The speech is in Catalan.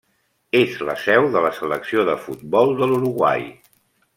És la seu de la Selecció de futbol de l'Uruguai.